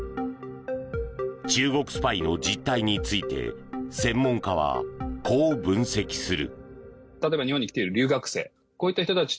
中国スパイの実態について専門家はこう分析する。